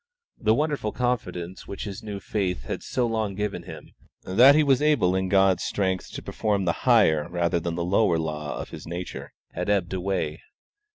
The wonderful confidence which his new faith had so long given him, that he was able in God's strength to perform the higher rather than the lower law of his nature, had ebbed away.